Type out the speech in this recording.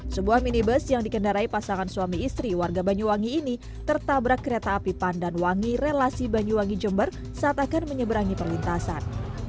sebuah minibus yang dikendarai pasangan suami istri warga banyuwangi ini tertabrak kereta api pandanwangi relasi banyuwangi jember saat akan menyeberangi perlintasan